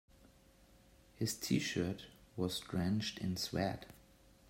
His t-shirt was drenched in sweat.